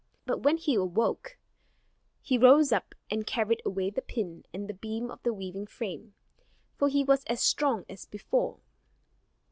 But when he awoke, he rose up, and carried away the pin and the beam of the weaving frame; for he was as strong as before.